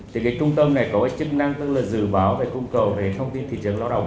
thì cái trung tâm này có cái chức năng tức là dự báo về cung cầu về thông tin thị trường lao động